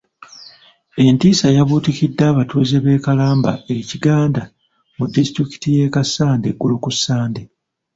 Entiisa yabuutikidde abatuuze b'e Kalamba e Kiganda mu disitulikiti y'e Kassanda eggulo ku Ssande.